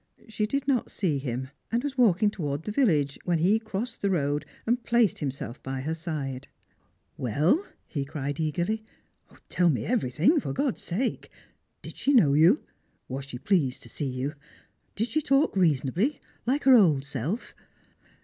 She did not see him, and was walking towards the village, when he crossed the road and placed him self by her side. " Well," he cried eagerly, " tell me everything, for God's sake ! Did she know you ? Was she pleased to see you ? Did she talk reasonably, hke her old self?"